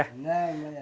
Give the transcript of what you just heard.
nah ini ya